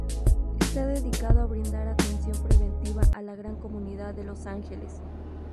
Está dedicado a brindar atención preventiva a la gran comunidad de Los Ángeles.